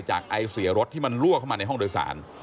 ไอเสียรถที่มันลั่วเข้ามาในห้องโดยสาร